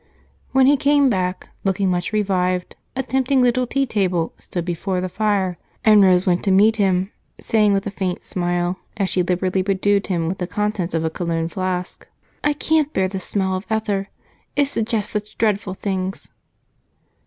When he came back, looking much revived, a tempting little tea table stood before the fire and Rose went to meet him, saying with a faint smile, as she liberally bedewed him with the contents of a cologne flask: "I can't bear the smell of ether it suggests such dreadful things."